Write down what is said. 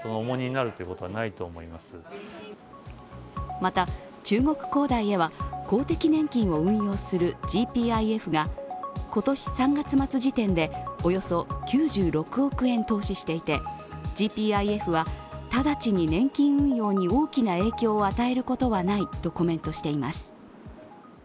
また、中国恒大へは公的年金を運用するＧＰＩＦが今年３月末時点でおよそ９６億円投資していてＧＰＩＦは直ちに年金運用に大きな影響を与えることはないとコメントしています。